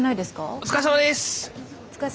お疲れさまです。